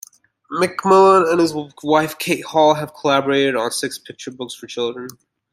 McMullan and his wife Kate Hall have collaborated on six picture books for children.